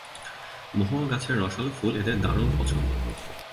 মহুয়া গাছের রসালো ফুল এদের দারুণ পছন্দ।